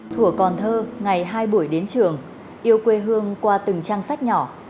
thủa còn thơ ngày hai buổi đến trường yêu quê hương qua từng trang sách nhỏ